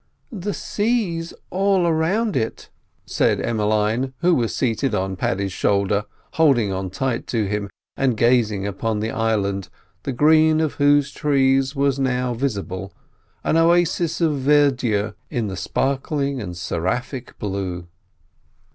"The sea's all round it," said Emmeline, who was seated on Paddy's shoulder, holding on tight to him, and gazing upon the island, the green of whose trees was now visible, an oasis of verdure in the sparkling and seraphic blue.